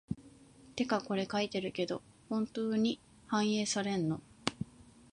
てかこれ書いてるけど、本当に反映されんの？